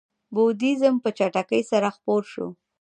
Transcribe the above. بودیزم په چټکۍ سره خپور شو.